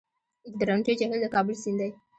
د درونټې جهیل د کابل سیند دی